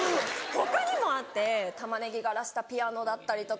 他にもあって玉ねぎ柄したピアノだったりとか。